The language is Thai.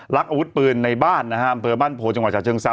รับอาวุธปืนในบ้านอัมเภอบ้านโผจังหวัยศเชียงเศร้า